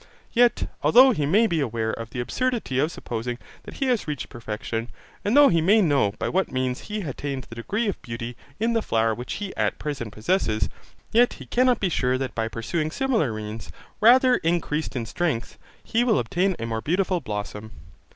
Yet, although he may be aware of the absurdity of supposing that he has reached perfection, and though he may know by what means he attained that degree of beauty in the flower which he at present possesses, yet he cannot be sure that by pursuing similar means, rather increased in strength, he will obtain a more beautiful blossom.